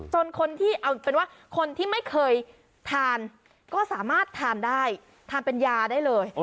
คนที่เอาเป็นว่าคนที่ไม่เคยทานก็สามารถทานได้ทานเป็นยาได้เลย